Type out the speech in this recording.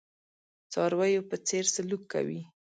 څارویو په څېر سلوک کوي.